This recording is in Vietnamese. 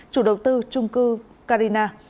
chủ đầu tư trung cư carina